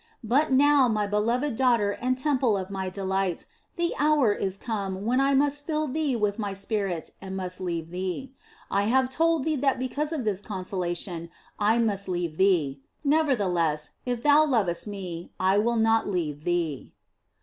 But now, My beloved daughter and temple of My de light, the hour is come when I must fill thee with My spirit and must leave thee. I have told thee that be cause of this consolation I must leave thee ; nevertheless, if thou lovest Me, I will not leave thee."